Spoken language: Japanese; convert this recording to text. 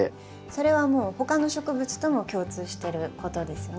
それはもう他の植物とも共通してることですね。